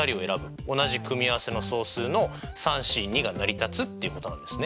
同じ組合せの総数のＣが成り立つっていうことなんですね。